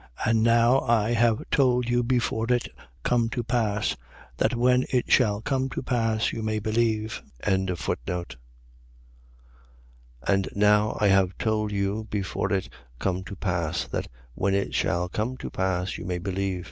And now I have told you before it come to pass: that when it shall come to pass, you may believe. 14:29. And now I have told you before it come to pass: that when it shall come to pass, you may believe.